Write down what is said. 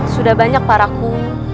sudah banyak paraku